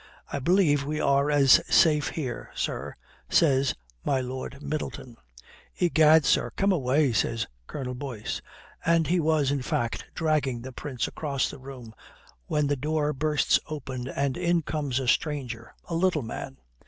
"'I believe we are as safe here, sir,' says my Lord Middleton. "'Egad, sir, come away,' says Colonel Boyce; and he was in fact dragging the Prince across the room when the door bursts open and in comes a stranger, a little man.